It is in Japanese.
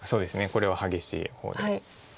これは激しい方で。